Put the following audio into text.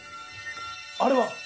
あれは？